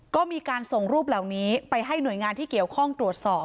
ก็มีการส่งรูปเหล่านี้ไปให้หน่วยงานที่เกี่ยวข้องตรวจสอบ